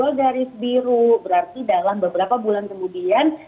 berarti dalam beberapa bulan kemudian